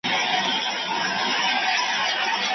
کیسو د پاني پټ او اصفهان دی غولولی